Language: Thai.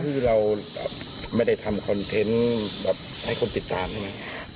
คือเราไม่ได้ทำคอนเทนต์แบบให้คนติดตามใช่ไหม